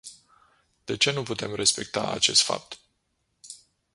De ce nu putem respecta acest fapt?